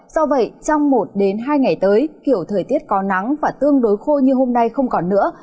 do vậy trong một hai ngày tới kiểu thời tiết có nắng và tương đối khô như hôm nay không còn nữa